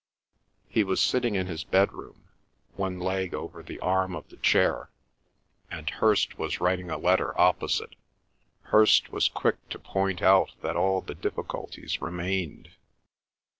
He was sitting in his bedroom, one leg over the arm of the chair, and Hirst was writing a letter opposite. Hirst was quick to point out that all the difficulties remained.